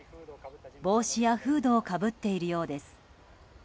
帽子やフードをかぶっているようです。